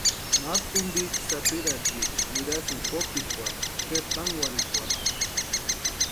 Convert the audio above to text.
Maru tumpi sapirhatiecha nirasïnti kópikwarhu kʼeri tankwarhikwarhu.